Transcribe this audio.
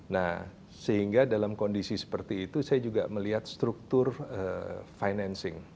nah sehingga dalam kondisi seperti itu saya juga melihat struktur financing